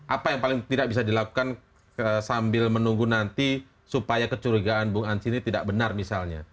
apa yang paling tidak bisa dilakukan sambil menunggu nanti supaya kecurigaan bung ansi ini tidak benar misalnya